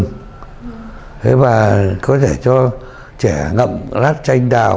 thế và có thể cho trẻ ngậm lát tranh đào